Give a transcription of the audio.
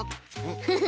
フフフ。